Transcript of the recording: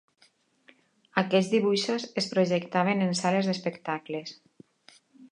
Aquests dibuixos es projectaven en sales d'espectacles.